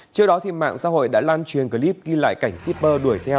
trước đó mạng xã hội đã lan truyền clip ghi lại cảnh shipper đuổi thị trấn